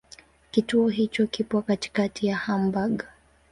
Kituo hicho kipo katikati ya Hamburg.